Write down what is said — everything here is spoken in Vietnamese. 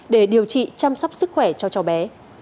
để điều trị chăm sóc sức khỏe cho cháu bé